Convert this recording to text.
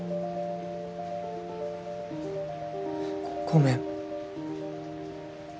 ごめん。